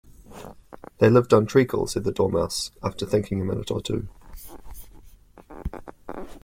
‘They lived on treacle,’ said the Dormouse, after thinking a minute or two.